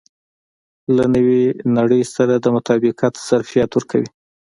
له نوې نړۍ سره د مطابقت ظرفیت ورکوي.